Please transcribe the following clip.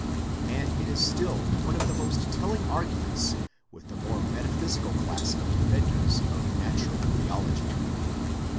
And it is still one of the most telling arguments with the more metaphysical class of defenders of Natural Theology.